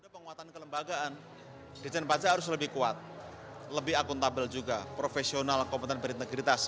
penguatan kelembagaan di jenis pajak harus lebih kuat lebih akuntabel juga profesional kompeten berintegritas